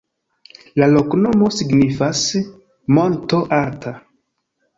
La loknomo signifas: monto-alta.